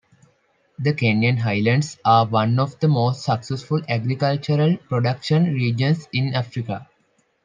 The Kenyan Highlands are one of the most successful agricultural production regions in Africa.